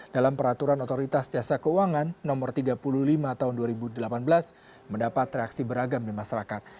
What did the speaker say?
dalam peraturan otoritas jasa keuangan no tiga puluh lima tahun dua ribu delapan belas mendapat reaksi beragam di masyarakat